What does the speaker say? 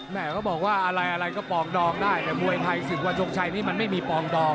แม่ก็บอกว่าอะไรก็ปองดองได้แต่มวยไทยสึกวันยกชัยนี้มันไม่มีปองดอง